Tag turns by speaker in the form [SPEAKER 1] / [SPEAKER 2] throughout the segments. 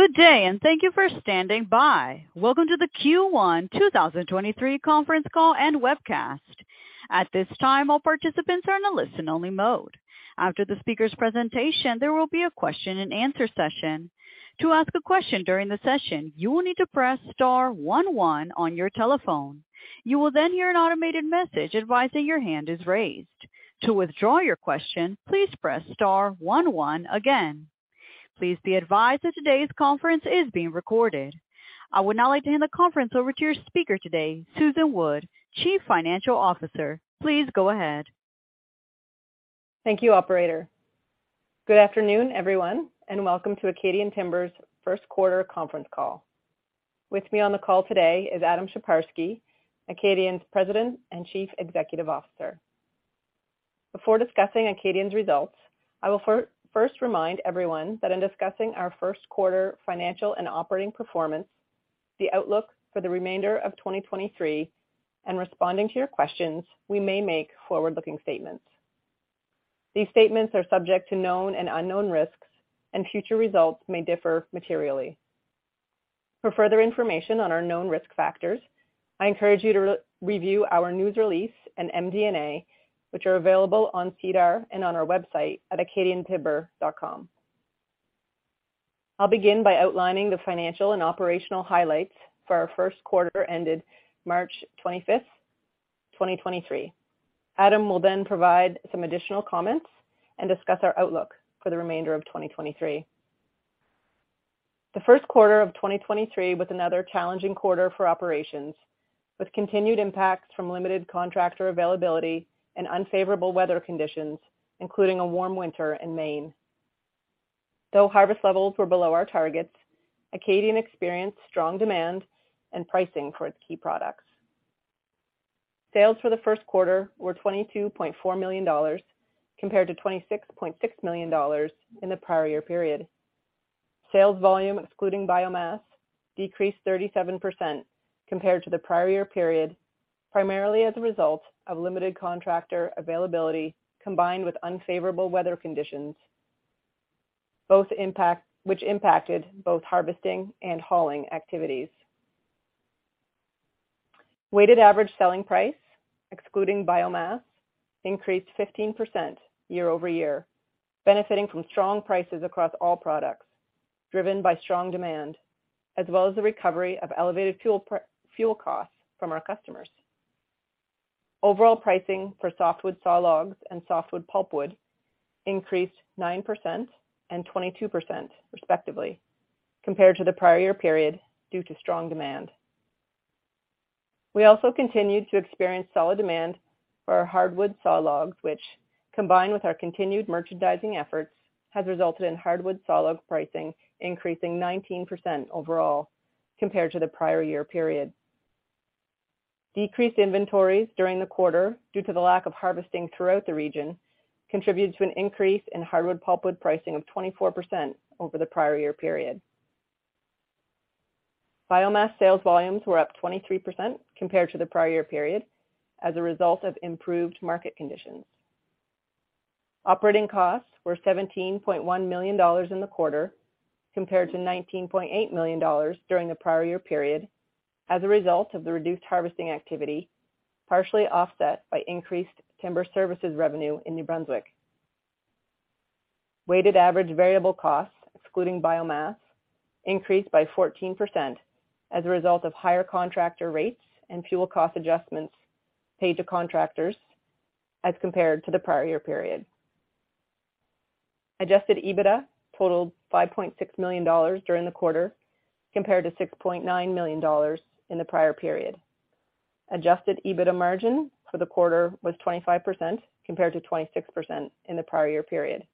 [SPEAKER 1] Good day, thank you for standing by. Welcome to the Q1 2023 Conference Call and Webcast. At this time, all participants are in a listen-only mode. After the speaker's presentation, there will be a question-and-answer session. To ask a question during the session, you will need to press star one, one on your telephone. You will hear an automated message advising your hand is raised. To withdraw your question, please press star one one again. Please be advised that today's conference is being recorded. I would now like to hand the conference over to your speaker today, Susan Wood, Chief Financial Officer. Please go ahead.
[SPEAKER 2] Thank you, operator. Good afternoon, everyone, and welcome to Acadian Timber's first quarter conference call. With me on the call today is Adam Sheparski, Acadian's President and Chief Executive Officer. Before discussing Acadian's results, I will first remind everyone that in discussing our first quarter financial and operating performance, the outlook for the remainder of 2023, and responding to your questions, we may make forward-looking statements. These statements are subject to known and unknown risks. Future results may differ materially. For further information on our known risk factors, I encourage you to re-review our news release and MD&A, which are available on SEDAR and on our website at acadiantimber.com. I'll begin by outlining the financial and operational highlights for our first quarter ended March 25th, 2023. Adam will then provide some additional comments and discuss our outlook for the remainder of 2023. The first quarter of 2023 was another challenging quarter for operations, with continued impacts from limited contractor availability and unfavorable weather conditions, including a warm winter in Maine. Though harvest levels were below our targets, Acadian experienced strong demand and pricing for its key products. Sales for the first quarter were 22.4 million dollars compared to 26.6 million dollars in the prior year period. Sales volume, excluding biomass, decreased 37% compared to the prior year period, primarily as a result of limited contractor availability combined with unfavorable weather conditions, which impacted both harvesting and hauling activities. Weighted average selling price, excluding biomass, increased 15% year-over-year, benefiting from strong prices across all products, driven by strong demand as well as the recovery of elevated fuel costs from our customers. Overall pricing for softwood sawlogs and softwood pulpwood increased 9% and 22%, respectively, compared to the prior year period due to strong demand. We also continued to experience solid demand for our hardwood sawlogs, which, combined with our continued merchandising efforts, has resulted in hardwood sawlog pricing increasing 19% overall compared to the prior year period. Decreased inventories during the quarter, due to the lack of harvesting throughout the region, contributed to an increase in hardwood pulpwood pricing of 24% over the prior year period. biomass sales volumes were up 23% compared to the prior year period as a result of improved market conditions. Operating costs were 17.1 million dollars in the quarter compared to 19.8 million dollars during the prior year period as a result of the reduced harvesting activity, partially offset by increased timber services revenue in New Brunswick. Weighted average variable costs, excluding biomass, increased by 14% as a result of higher contractor rates and fuel cost adjustments paid to contractors as compared to the prior year period. Adjusted EBITDA totaled 5.6 million dollars during the quarter compared to 6.9 million dollars in the prior period. Adjusted EBITDA margin for the quarter was 25% compared to 26% in the prior year period.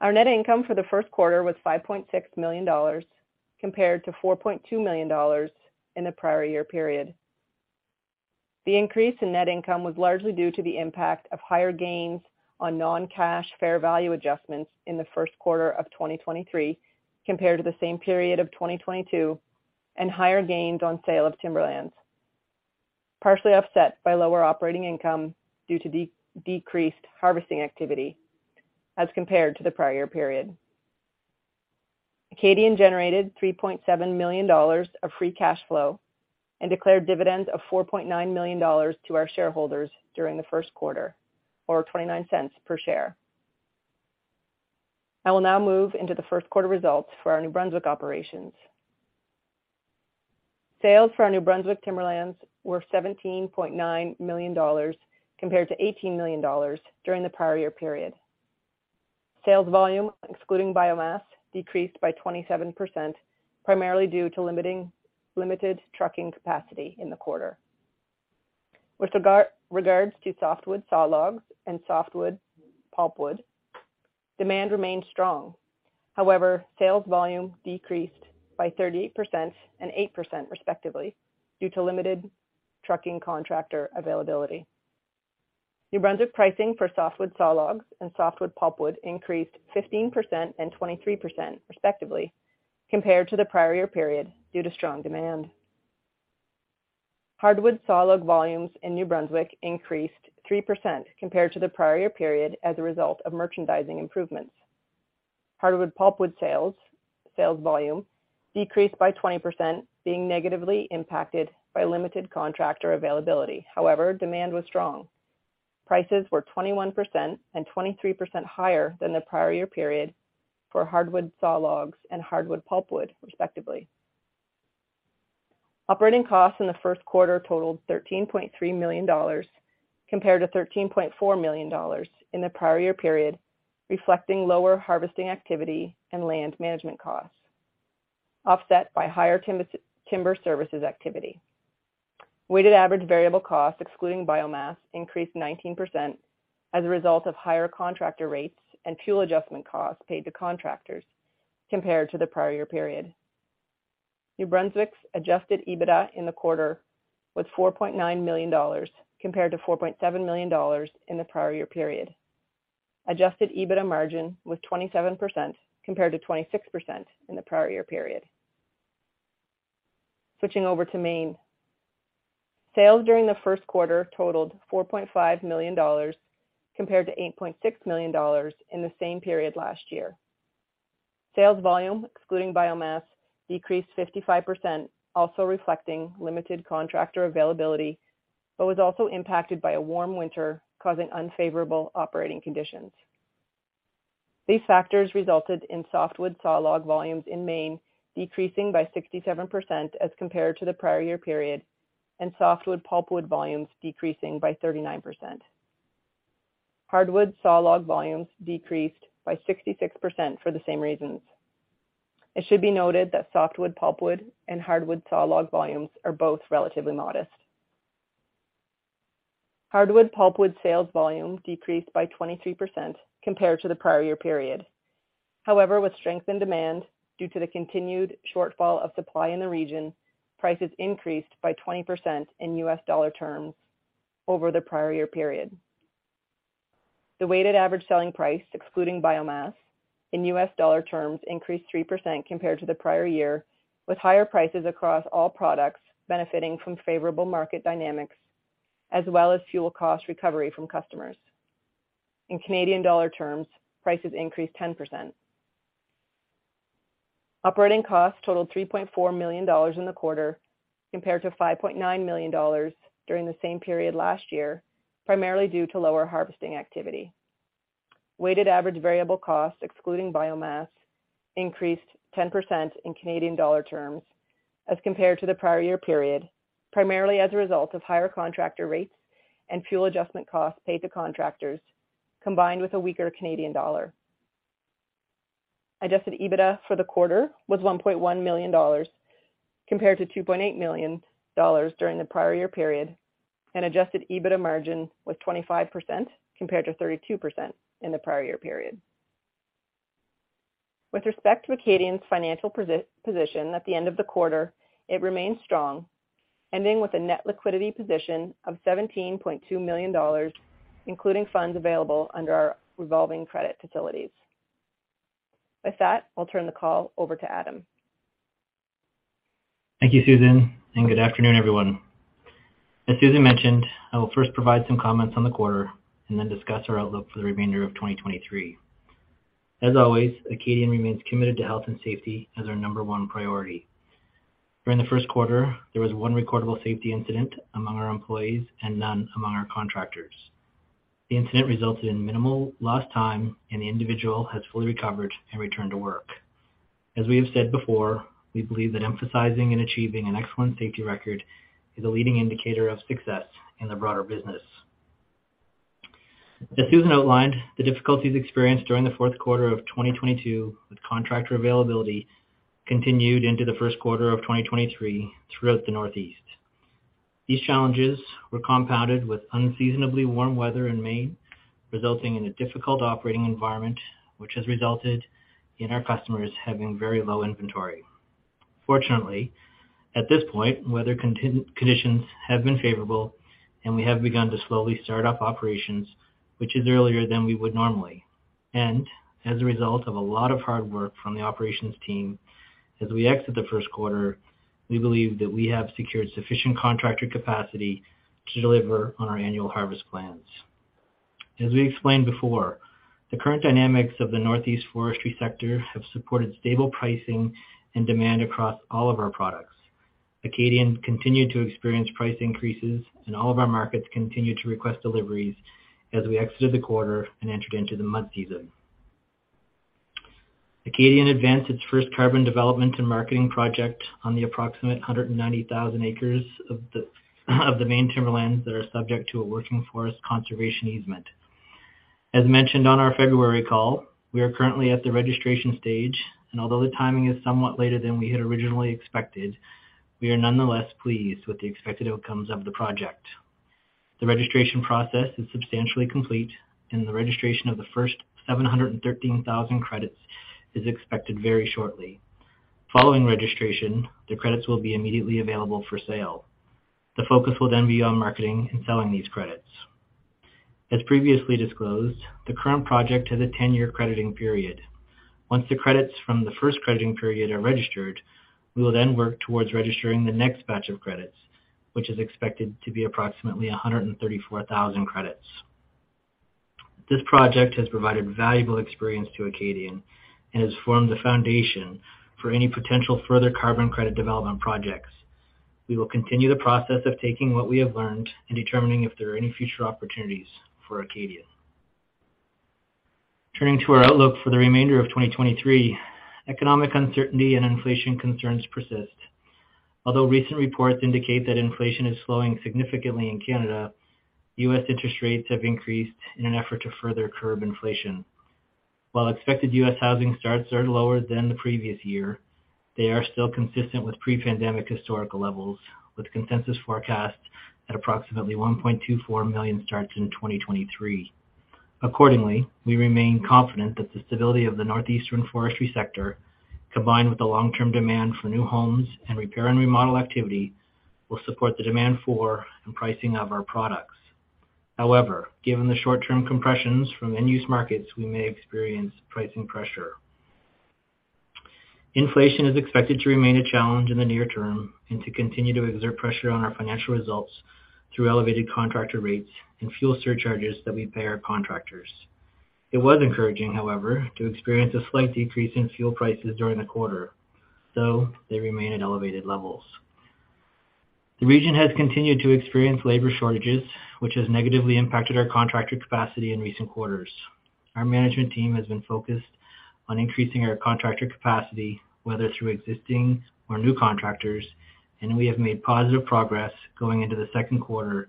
[SPEAKER 2] Our net income for the first quarter was 5.6 million dollars compared to 4.2 million dollars in the prior year period. The increase in net income was largely due to the impact of higher gains on non-cash fair value adjustments in the first quarter of 2023 compared to the same period of 2022 and higher gains on sale of timberlands, partially offset by lower operating income due to decreased harvesting activity as compared to the prior period. Acadian generated 3.7 million dollars of free cash flow and declared dividends of 4.9 million dollars to our shareholders during the first quarter, or 0.29 per share. I will now move into the first quarter results for our New Brunswick operations. Sales for our New Brunswick timberlands were 17.9 million dollars compared to 18 million dollars during the prior year period. Sales volume, excluding biomass, decreased by 27%, primarily due to limited trucking capacity in the quarter. With regards to softwood sawlogs and softwood pulpwood, demand remained strong. Sales volume decreased by 38% and 8% respectively, due to limited trucking contractor availability. New Brunswick pricing for softwood sawlogs and softwood pulpwood increased 15% and 23%, respectively, compared to the prior year period due to strong demand. Hardwood sawlogs volumes in New Brunswick increased 3% compared to the prior period as a result of merchandising improvements. Hardwood pulpwood sales volume decreased by 20%, being negatively impacted by limited contractor availability. Demand was strong. Prices were 21% and 23% higher than the prior year period for hardwood sawlogs and hardwood pulpwood, respectively. Operating costs in the first quarter totaled 13.3 million dollars compared to 13.4 million dollars in the prior year period, reflecting lower harvesting activity and land management costs, offset by higher timber services activity. Weighted average variable costs, excluding biomass, increased 19% as a result of higher contractor rates and fuel adjustment costs paid to contractors compared to the prior year period. New Brunswick's Adjusted EBITDA in the quarter was 4.9 million dollars, compared to 4.7 million dollars in the prior year period. Adjusted EBITDA margin was 27% compared to 26% in the prior year period. Switching over to Maine. Sales during the first quarter totaled 4.5 million dollars compared to 8.6 million dollars in the same period last year. Sales volume, excluding biomass, decreased 55%, also reflecting limited contractor availability, but was also impacted by a warm winter, causing unfavorable operating conditions. These factors resulted in softwood sawlog volumes in Maine decreasing by 67% as compared to the prior year period, and softwood pulpwood volumes decreasing by 39%. Hardwood sawlog volumes decreased by 66% for the same reasons. It should be noted that softwood pulpwood and hardwood sawlog volumes are both relatively modest. Hardwood pulpwood sales volume decreased by 23% compared to the prior year period. However, with strength in demand due to the continued shortfall of supply in the region, prices increased by 20% in US dollar terms over the prior year period. The weighted average selling price, excluding biomass in US dollar terms, increased 3% compared to the prior year, with higher prices across all products benefiting from favorable market dynamics as well as fuel cost recovery from customers. In Canadian dollar terms, prices increased 10%. Operating costs totaled 3.4 million dollars in the quarter, compared to 5.9 million dollars during the same period last year, primarily due to lower harvesting activity. Weighted average variable costs, excluding biomass, increased 10% in Canadian dollar terms as compared to the prior year period, primarily as a result of higher contractor rates and fuel adjustment costs paid to contractors, combined with a weaker Canadian dollar. Adjusted EBITDA for the quarter was 1.1 million dollars compared to 2.8 million dollars during the prior year period, and Adjusted EBITDA margin was 25% compared to 32% in the prior year period. With respect to Acadian's financial position at the end of the quarter, it remains strong, ending with a net liquidity position of 17.2 million dollars, including funds available under our revolving credit facilities. With that, I'll turn the call over to Adam.
[SPEAKER 3] Thank you, Susan, and good afternoon, everyone. As Susan mentioned, I will first provide some comments on the quarter and then discuss our outlook for the remainder of 2023. As always, Acadian remains committed to health and safety as our number one priority. During the first quarter, there was one recordable safety incident among our employees and none among our contractors. The incident resulted in minimal lost time, and the individual has fully recovered and returned to work. As we have said before, we believe that emphasizing and achieving an excellent safety record is a leading indicator of success in the broader business. As Susan outlined, the difficulties experienced during the fourth quarter of 2022 with contractor availability continued into the first quarter of 2023 throughout the Northeast. These challenges were compounded with unseasonably warm weather in Maine, resulting in a difficult operating environment which has resulted in our customers having very low inventory. Fortunately, at this point, weather conditions have been favorable and we have begun to slowly start up operations, which is earlier than we would normally and as a result of a lot of hard work from the operations team as we exit the first quarter, we believe that we have secured sufficient contractor capacity to deliver on our annual harvest plans. As we explained before, the current dynamics of the Northeast forestry sector have supported stable pricing and demand across all of our products. Acadian continued to experience price increases and all of our markets continued to request deliveries as we exited the quarter and entered into the mud season. Acadian advanced its first carbon development and marketing project on the approximate 190,000 acres of the main timberlands that are subject to a working forest conservation easement. As mentioned on our February call, we are currently at the registration stage, and although the timing is somewhat later than we had originally expected, we are nonetheless pleased with the expected outcomes of the project. The registration process is substantially complete and the registration of the first 713,000 credits is expected very shortly. Following registration, the credits will be immediately available for sale. The focus will then be on marketing and selling these credits. As previously disclosed, the current project has a 10-year crediting period. Once the credits from the first crediting period are registered, we will then work towards registering the next batch of credits, which is expected to be approximately 134,000 credits. This project has provided valuable experience to Acadian and has formed the foundation for any potential further carbon credit development projects. We will continue the process of taking what we have learned and determining if there are any future opportunities for Acadian. Turning to our outlook for the remainder of 2023, economic uncertainty and inflation concerns persist. Although recent reports indicate that inflation is slowing significantly in Canada, U.S. interest rates have increased in an effort to further curb inflation. While expected U.S. housing starts are lower than the previous year, they are still consistent with pre-pandemic historical levels, with consensus forecasts at approximately 1.24 million starts in 2023. Accordingly, we remain confident that the stability of the northeastern forestry sector, combined with the long-term demand for new homes and repair and remodel activity, will support the demand for and pricing of our products. However, given the short-term compressions from end-use markets, we may experience pricing pressure. Inflation is expected to remain a challenge in the near term and to continue to exert pressure on our financial results through elevated contractor rates and fuel surcharges that we pay our contractors. It was encouraging, however, to experience a slight decrease in fuel prices during the quarter, though they remain at elevated levels. The region has continued to experience labor shortages, which has negatively impacted our contractor capacity in recent quarters. Our management team has been focused on increasing our contractor capacity, whether through existing or new contractors, and we have made positive progress going into the second quarter.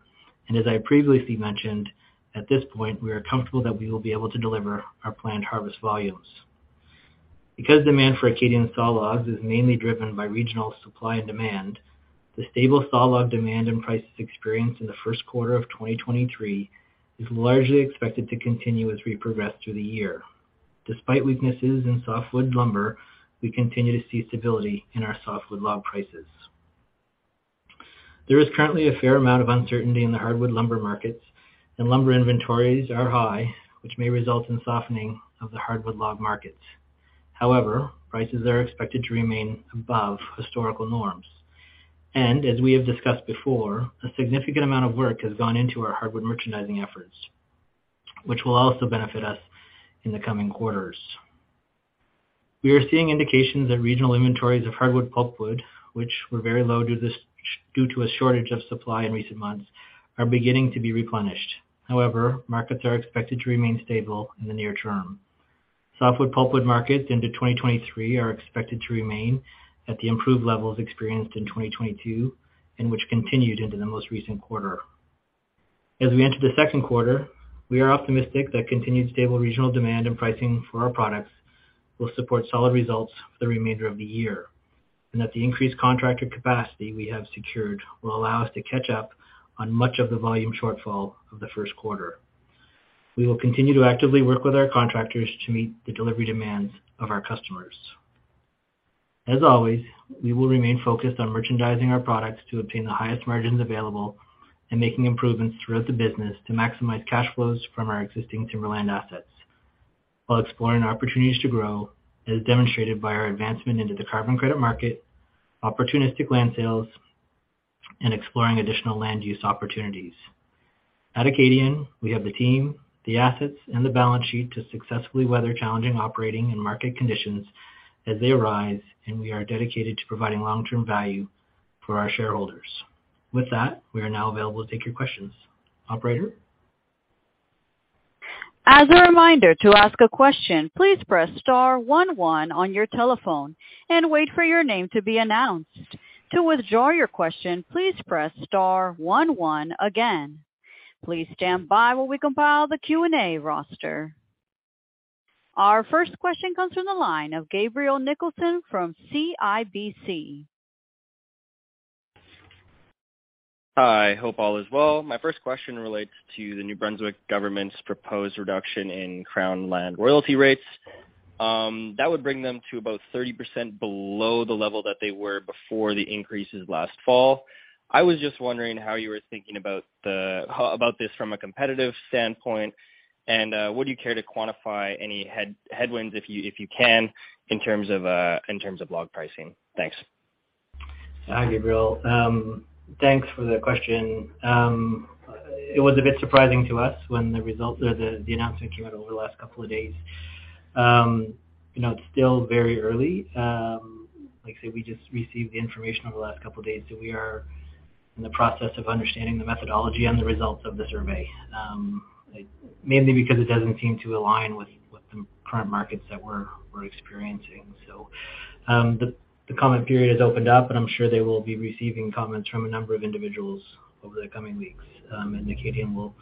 [SPEAKER 3] As I previously mentioned, at this point, we are comfortable that we will be able to deliver our planned harvest volumes. Because demand for Acadian sawlogs is mainly driven by regional supply and demand, the stable sawlog demand and prices experienced in the first quarter of 2023 is largely expected to continue as we progress through the year. Despite weaknesses in softwood lumber, we continue to see stability in our softwood log prices. There is currently a fair amount of uncertainty in the hardwood lumber markets and lumber inventories are high, which may result in softening of the hardwood log markets. However, prices are expected to remain above historical norms. As we have discussed before, a significant amount of work has gone into our hardwood merchandising efforts, which will also benefit us in the coming quarters. We are seeing indications that regional inventories of hardwood pulpwood, which were very low due to a shortage of supply in recent months, are beginning to be replenished. However, markets are expected to remain stable in the near term. Softwood pulpwood markets into 2023 are expected to remain at the improved levels experienced in 2022 and which continued into the most recent quarter. As we enter the second quarter, we are optimistic that continued stable regional demand and pricing for our products will support solid results for the remainder of the year and that the increased contractor capacity we have secured will allow us to catch up on much of the volume shortfall of the first quarter. We will continue to actively work with our contractors to meet the delivery demands of our customers. As always, we will remain focused on merchandising our products to obtain the highest margins available and making improvements throughout the business to maximize cash flows from our existing timberland assets while exploring opportunities to grow, as demonstrated by our advancement into the carbon credit market, opportunistic land sales, and exploring additional land use opportunities. At Acadian, we have the team, the assets, and the balance sheet to successfully weather challenging operating and market conditions as they arise, and we are dedicated to providing long-term value for our shareholders. With that, we are now available to take your questions. Operator?
[SPEAKER 1] As a reminder, to ask a question, please press star one one on your telephone and wait for your name to be announced. To withdraw your question, please press star one one again. Please stand by while we compile the Q&A roster. Our first question comes from the line of Gabriel Nicholson from CIBC.
[SPEAKER 4] Hi, hope all is well. My first question relates to the New Brunswick government's proposed reduction in Crown land royalty rates. That would bring them to about 30% below the level that they were before the increases last fall. I was just wondering how you were thinking about how about this from a competitive standpoint, and would you care to quantify any headwinds if you can in terms of log pricing? Thanks.
[SPEAKER 3] Hi, Gabriel. Thanks for the question. It was a bit surprising to us when the result or the announcement came out over the last couple of days. You know, it's still very early. Like I said, we just received the information over the last couple of days, so we are in the process of understanding the methodology and the results of the survey, mainly because it doesn't seem to align with the current markets that we're experiencing. The comment period has opened up, and I'm sure they will be receiving comments from a number of individuals over the coming weeks, and Acadian will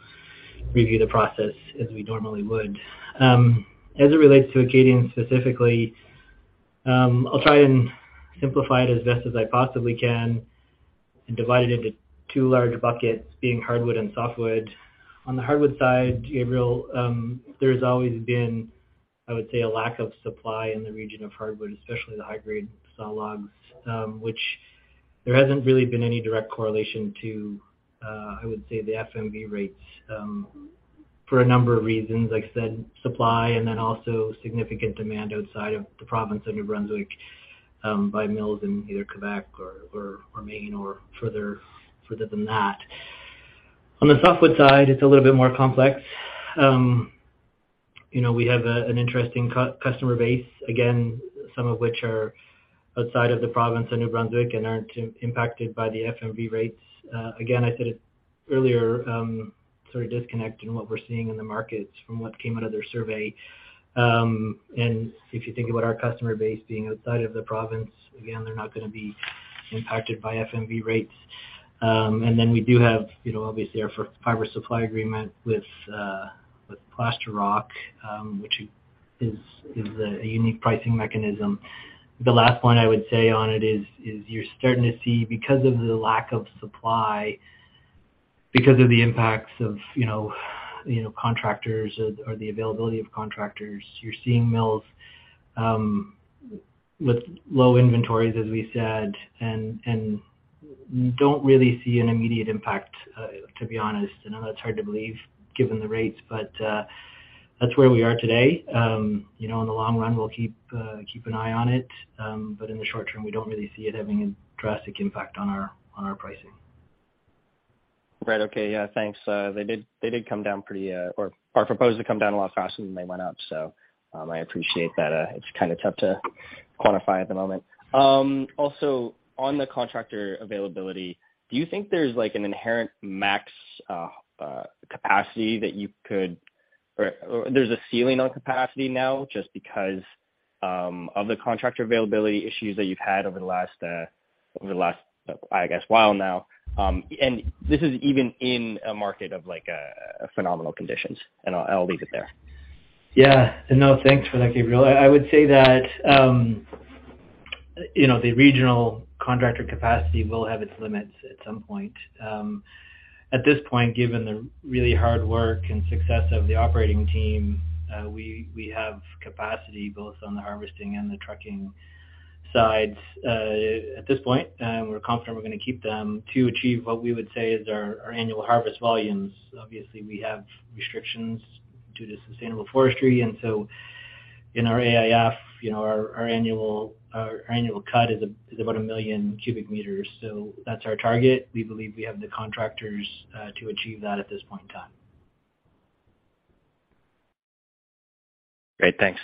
[SPEAKER 3] review the process as we normally would. As it relates to Acadian specifically, I'll try and simplify it as best as I possibly can and divide it into two large buckets, being hardwood and softwood. On the hardwood side, Gabriel, there's always been, I would say, a lack of supply in the region of hardwood, especially the high-grade sawlogs, which there hasn't really been any direct correlation to, I would say the FMV rates, for a number of reasons. Like I said, supply and then also significant demand outside of the province of New Brunswick, by mills in either Quebec or Maine or further than that. On the softwood side, it's a little bit more complex. You know, we have an interesting customer base, again, some of which are outside of the province of New Brunswick and aren't impacted by the FMV rates. Again, I said it earlier, sort of disconnect in what we're seeing in the markets from what came out of their survey. If you think about our customer base being outside of the province, again, they're not gonna be impacted by FMV rates. We do have, you know, obviously our fiber supply agreement with Plaster Rock, which is a unique pricing mechanism. The last point I would say on it is you're starting to see because of the lack of supply, because of the impacts of, you know, contractors or the availability of contractors, you're seeing mills with low inventories, as we said, and don't really see an immediate impact to be honest. I know that's hard to believe given the rates, that's where we are today. You know, in the long run, we'll keep an eye on it. In the short term, we don't really see it having a drastic impact on our, on our pricing.
[SPEAKER 4] Right. Okay. Yeah. Thanks. Uh, they did, they did come down pretty, uh, or are proposed to come down a lot faster than they went up. So, um, I appreciate that. Uh, it's kind of tough to quantify at the moment. Um, also on the contractor availability, do you think there's like an inherent max, uh, uh, capacity that you could-- or, or there's a ceiling on capacity now just because, um, of the contractor availability issues that you've had over the last, uh, over the last, I guess, while now? Um, and this is even in a market of like, uh, phenomenal conditions. And I'll, I'll leave it there.
[SPEAKER 3] Yeah. No, thanks for that, Gabriel. I would say that, you know, the regional contractor capacity will have its limits at some point. At this point, given the really hard work and success of the operating team, we have capacity both on the harvesting and the trucking sides, at this point. We're confident we're gonna keep them to achieve what we would say is our annual harvest volumes. Obviously, we have restrictions due to sustainable forestry. In our AIF, you know, our annual cut is about 1 million cubic meters. That's our target. We believe we have the contractors to achieve that at this point in time..
[SPEAKER 4] Great. Thanks.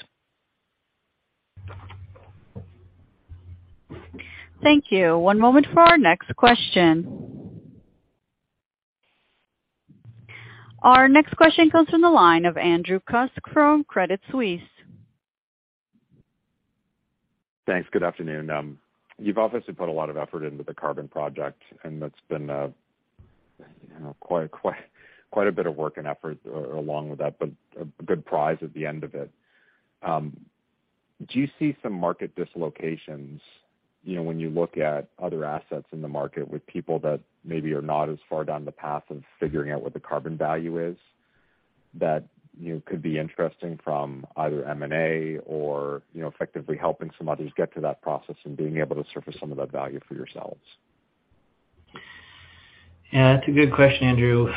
[SPEAKER 1] Thank you. One moment for our next question. Our next question comes from the line of Andrew Kuske from Credit Suisse.
[SPEAKER 5] Thanks. Good afternoon. You've obviously put a lot of effort into the carbon project, and that's been, you know, quite a bit of work and effort along with that, but a good prize at the end of it. Do you see some market dislocations, you know, when you look at other assets in the market with people that maybe are not as far down the path of figuring what the carbon value is that, you know, could be interesting from either M&A or, you know, effectively helping some others get to that process and being able to surface some of that value for yourselves?
[SPEAKER 3] That's a good question, Andrew.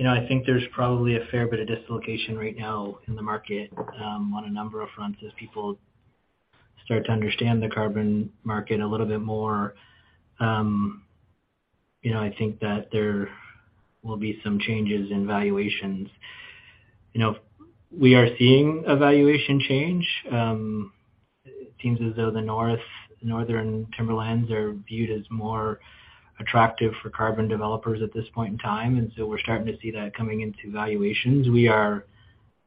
[SPEAKER 3] You know, I think there's probably a fair bit of dislocation right now in the market, on a number of fronts as people start to understand the carbon market a little bit more. You know, I think that there will be some changes in valuations. You know, we are seeing a valuation change. It seems as though Northern Timberlands are viewed as more attractive for carbon developers at this point in time, and so we're starting to see that coming into valuations. We are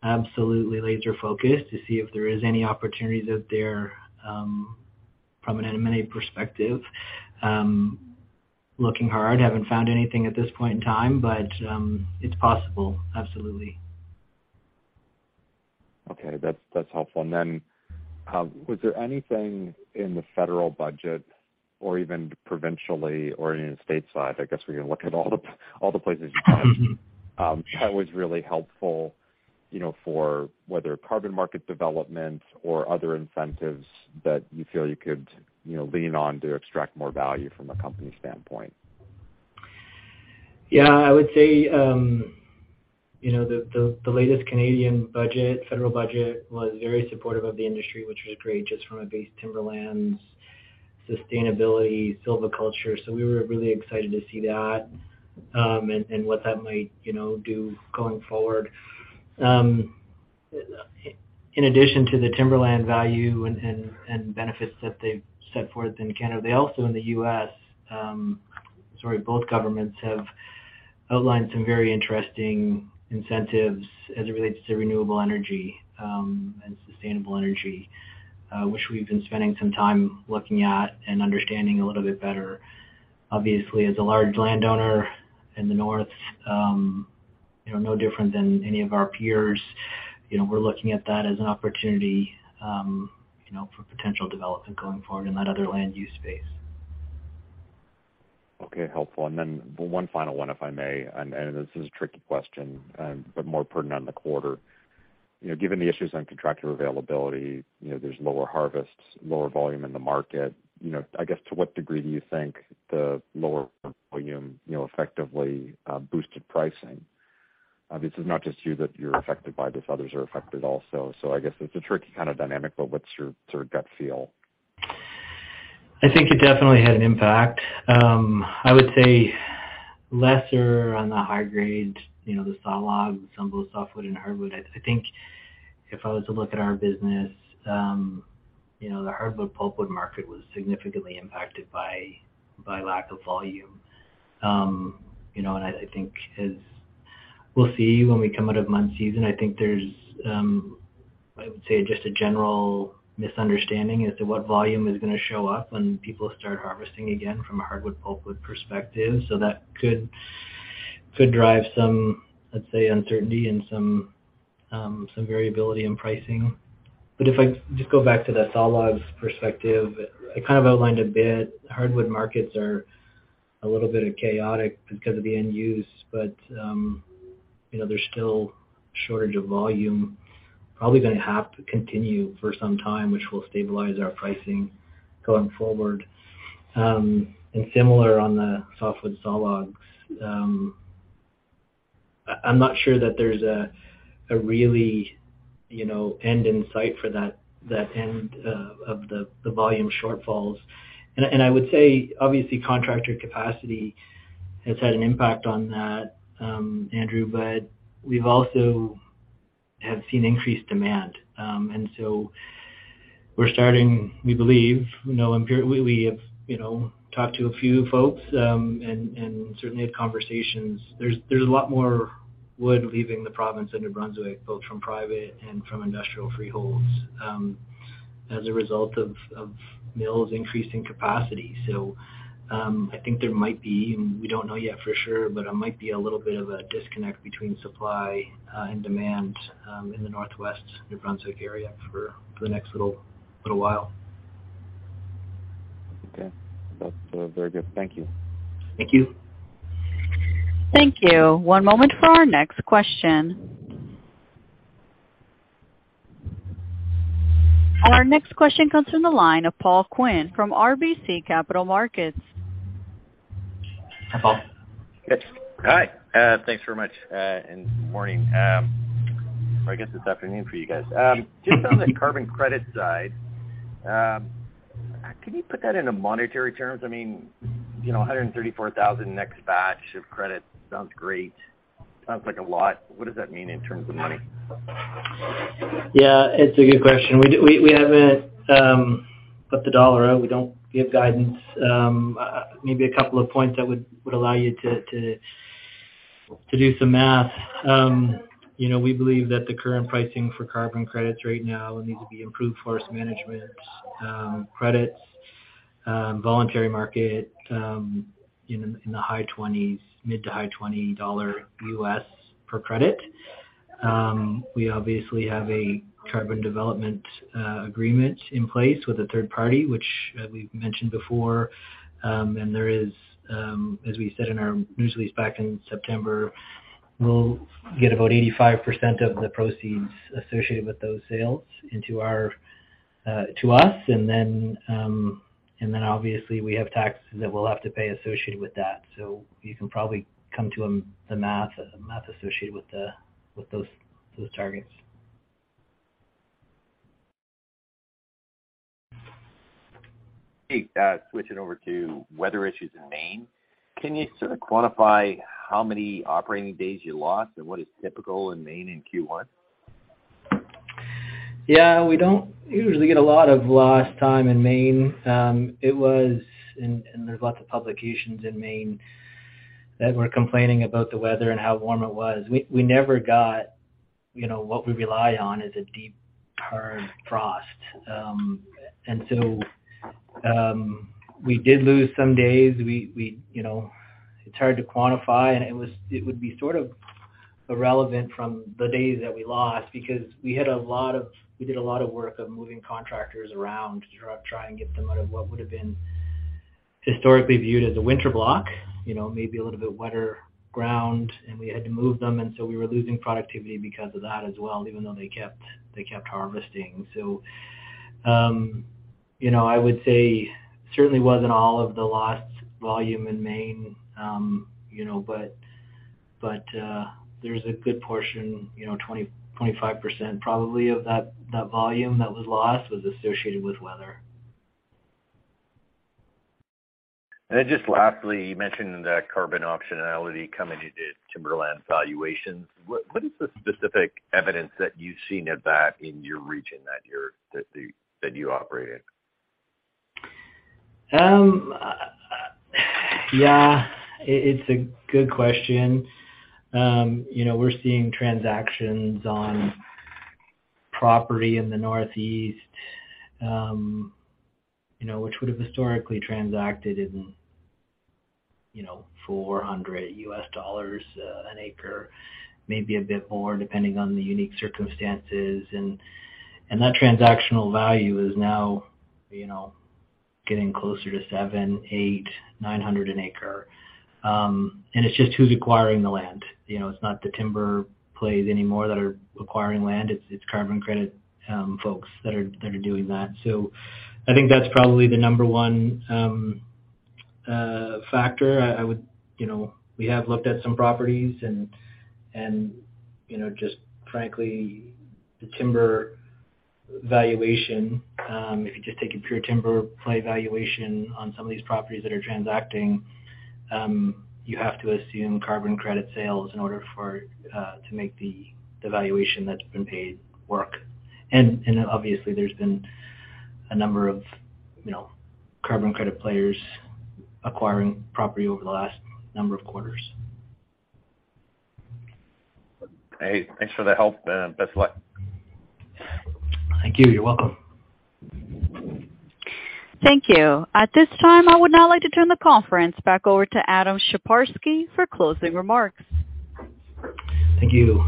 [SPEAKER 3] absolutely laser focused to see if there is any opportunities out there, from an M&A perspective. Looking hard, haven't found anything at this point in time, but it's possible. Absolutely.
[SPEAKER 5] Okay. That's helpful. Then, was there anything in the federal budget or even provincially or even state side, I guess, where you look at all the, all the places you can, that was really helpful, you know, for whether carbon market development or other incentives that you feel you could, you know, lean on to extract more value from a company standpoint?
[SPEAKER 3] I would say, you know, the latest Canadian budget, federal budget was very supportive of the industry, which was great just from a base Timberlands sustainability silviculture. We were really excited to see that, and what that might, you know, do going forward. In addition to the Timberland value and benefits that they've set forth in Canada, they also in the US. Sorry, both governments have outlined some very interesting incentives as it relates to renewable energy and sustainable energy, which we've been spending some time looking at and understanding a little bit better. As a large landowner in the North, you know, no different than any of our peers. We're looking at that as an opportunity, you know, for potential development going forward in that other land use space.
[SPEAKER 5] Okay, helpful. One final one, if I may, and this is a tricky question, but more pertinent on the quarter. You know, given the issues on contractor availability, you know, there's lower harvests, lower volume in the market. You know, I guess, to what degree do you think the lower volume, you know, effectively boosted pricing? This is not just you that you're affected by this, others are affected also. I guess it's a tricky kind of dynamic, but what's your sort of gut feel?
[SPEAKER 3] I think it definitely had an impact. I would say lesser on the high grade, you know, the sawlog, some both softwood and hardwood. I think if I was to look at our business, you know, the hardwood pulpwood market was significantly impacted by lack of volume. You know, I think we'll see when we come out of mud season. I think there's, I would say just a general misunderstanding as to what volume is gonna show up when people start harvesting again from a hardwood pulpwood perspective. That could drive some, let's say, uncertainty and some variability in pricing. If I just go back to that sawlogs perspective, I kind of outlined a bit, hardwood markets are a little bit chaotic because of the end use, but, you know, there's still shortage of volume. Probably gonna have to continue for some time, which will stabilize our pricing going forward. Similar on the softwood sawlogs. I'm not sure that there's a really, you know, end in sight for that end of the volume shortfalls. I would say, obviously contractor capacity has had an impact on that, Andrew, but we've also have seen increased demand. We believe, you know, we have, you know, talked to a few folks, and certainly had conversations. There's a lot more wood leaving the province of New Brunswick, both from private and from industrial freeholds as a result of mills increasing capacity. I think there might be, and we don't know yet for sure, but there might be a little bit of a disconnect between supply and demand in the northwest New Brunswick area for the next little while.
[SPEAKER 5] Okay. That's, very good. Thank you.
[SPEAKER 3] Thank you.
[SPEAKER 1] Thank you. One moment for our next question. Our next question comes from the line of Paul Quinn from RBC Capital Markets.
[SPEAKER 3] Paul.
[SPEAKER 6] Yes. Hi. Thanks very much, and good morning. I guess it's afternoon for you guys. Just on the carbon credit side, can you put that into monetary terms? I mean, you know, 134,000 next batch of credit sounds great. Sounds like a lot. What does that mean in terms of money?
[SPEAKER 3] Yeah, it's a good question. We, we haven't put the dollar out. We don't give guidance. Maybe a couple of points that would allow you to do some math. You know, we believe that the current pricing for carbon credits right now needs to be improved forest management credits, voluntary market, in the high 20s, mid to high $20 U.S. per credit. We obviously have a carbon development agreement in place with a third party, which we've mentioned before. There is, as we said in our news release back in September, we'll get about 85% of the proceeds associated with those sales into our to us. And then obviously we have taxes that we'll have to pay associated with that. You can probably come to the math associated with those targets.
[SPEAKER 6] Okay. Switching over to weather issues in Maine. Can you sort of quantify how many operating days you lost and what is typical in Maine in Q1?
[SPEAKER 3] Yeah. We don't usually get a lot of lost time in Maine. There's lots of publications in Maine that were complaining about the weather and how warm it was. We never got, you know, what we rely on is a deep hard frost. We did lose some days. We, you know, it's hard to quantify, and it would be sort of irrelevant from the days that we lost because we did a lot of work of moving contractors around to try and get them out of what would've been historically viewed as a winter block. You know, maybe a little bit wetter ground, we had to move them, we were losing productivity because of that as well, even though they kept harvesting. you know, I would say certainly wasn't all of the lost volume in Maine, you know. There's a good portion, you know, 20%-25% probably of that volume that was lost was associated with weather.
[SPEAKER 6] Just lastly, you mentioned that carbon optionality coming into timberland valuations. What is the specific evidence that you've seen of that in your region that you operate in?
[SPEAKER 3] Yeah. It's a good question. You know, we're seeing transactions on property in the Northeast, you know, which would've historically transacted in, you know, $400 an acre, maybe a bit more depending on the unique circumstances. That transactional value is now, you know, getting closer to $700, $800, $900 an acre. It's just who's acquiring the land, you know? It's not the timber plays anymore that are acquiring land, it's carbon credit folks that are doing that. I think that's probably the number one factor. I would You know, we have looked at some properties and, you know, just frankly the timber valuation, if you just take a pure timber play valuation on some of these properties that are transacting, you have to assume carbon credit sales in order for to make the valuation that's been paid work. Obviously there's been a number of, you know, carbon credit players acquiring property over the last number of quarters.
[SPEAKER 6] Hey, thanks for the help, and best of luck.
[SPEAKER 3] Thank you. You're welcome.
[SPEAKER 1] Thank you. At this time, I would now like to turn the conference back over to Adam Sheparski for closing remarks.
[SPEAKER 3] Thank you.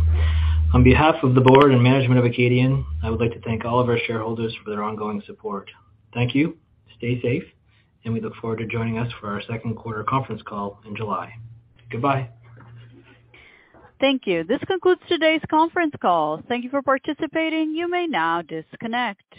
[SPEAKER 3] On behalf of the board and management of Acadian, I would like to thank all of our shareholders for their ongoing support. Thank you. Stay safe, and we look forward to joining us for our second quarter conference call in July. Goodbye.
[SPEAKER 1] Thank you. This concludes today's conference call. Thank you for participating. You may now disconnect.